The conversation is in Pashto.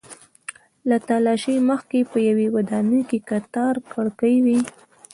له تالاشۍ مخکې په یوې ودانۍ کې کتار کړکۍ وې.